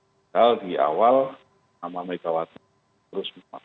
padahal di awal nama megawati terus menguat